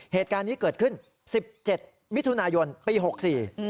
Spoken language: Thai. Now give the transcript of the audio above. เหตุการณ์นี้เกิดขึ้น๑๗มิถุนายนปี๖๔